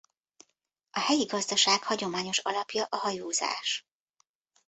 A helyi gazdaság hagyományos alapja a hajózás.